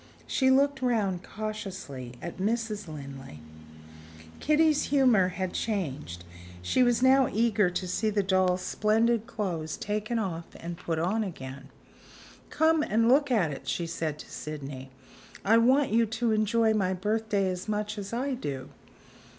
She looked round cautiously at Mrs. Linley. Kitty's humor had changed; she was now eager to see the doll's splendid clothes taken off and put on again. "Come and look at it," she said to Sydney; "I want you to enjoy my birthday as much as I do."